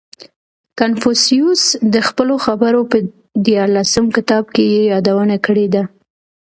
• کنفوسیوس د خپلو خبرو په دیارلسم کتاب کې یې یادونه کړې ده.